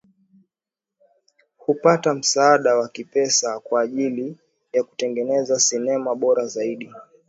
Hupata msaada wa kipesa kwa ajili ya kutengeneza sinema bora zaidi